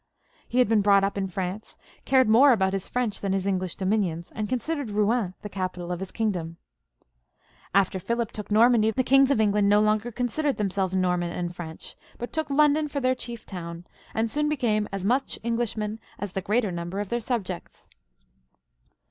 He had been brought up in France, cared more about his French than his English dominions, and considered Eouen the capital of his king dom. After Philip had taken Normandy, the kings of England left X)flf considering themselves Norman and French, took London' for their chief town, and soon became as much Englishmen as the greater number of their subjects.